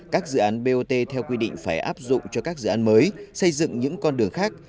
các dự án bot theo quy định phải áp dụng cho các dự án mới xây dựng những con đường khác